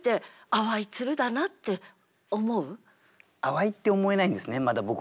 「淡い」って思えないんですね